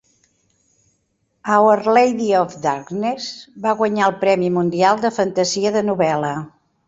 Our Lady of Darkness va guanyar el Premi Mundial de Fantasia de Novel·la.